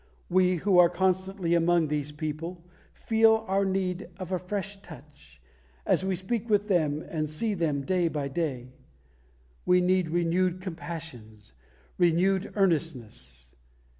We, who are constantly among these people, feel our need of a fresh touch, as we speak with them and see them day by day. We need renewed compassions, renewed earnestness.